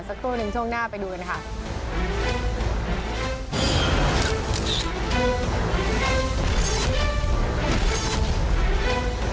เดี๋ยวสักตัวหนึ่งช่วงหน้าไปดูกันค่ะ